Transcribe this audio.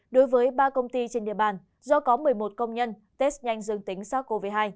đối với ba công ty trên địa bàn do có một mươi một công nhân test nhanh dương tính sars cov hai